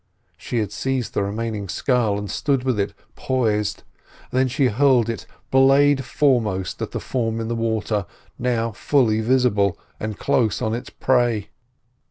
She had seized the remaining scull and stood with it poised, then she hurled it blade foremost at the form in the water, now fully visible, and close on its prey.